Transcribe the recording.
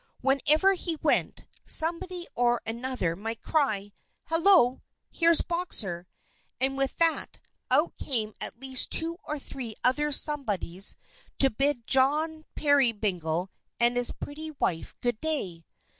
Wherever he went, somebody or other might cry, "Hello! Here's Boxer!" and with that, out came at least two or three other somebodies to bid John Peerybingle and his pretty wife good day.